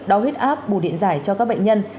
đo huyết áp bù điện giải cho các bệnh nhân